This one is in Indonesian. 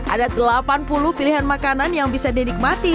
ada delapan puluh pilihan makanan yang bisa dinikmati